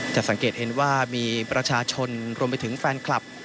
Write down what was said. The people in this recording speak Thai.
จะสังเกตเห็นว่ามีประชาชนรวมไปถึงแฟนคลับ